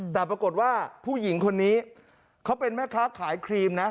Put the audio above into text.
แต่ปรากฏว่าผู้หญิงคนนี้เขาเป็นแม่ค้าขายครีมนะ